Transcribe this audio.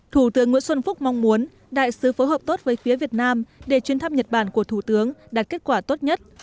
thủ tướng nguyễn xuân phúc mong muốn đại sứ phối hợp tốt với phía việt nam để chuyến thăm nhật bản của thủ tướng đạt kết quả tốt nhất